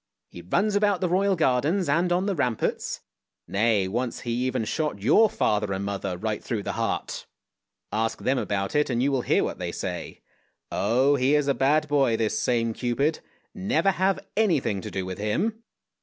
He runs about the Royal Gardens and on the ramparts; nay, once he even shot your father and mother right through the heart! Ask them about it and you will hear what they say. Oh! he is a bad boy this same Cupid. Never have anything to do with him